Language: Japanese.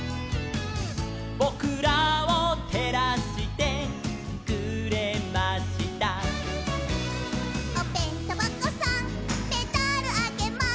「ぼくらをてらしてくれました」「おべんとばこさんメダルあげます」